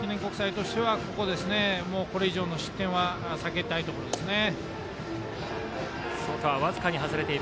ラーク記念国際としてはこれ以上の失点は避けたいところですね。